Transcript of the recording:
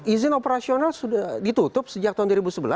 izin operasional sudah ditutup sejak tahun dua ribu sebelas